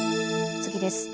次です。